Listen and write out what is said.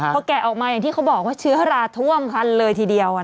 พอแกะออกมาอย่างที่เขาบอกว่าเชื้อราท่วมคันเลยทีเดียว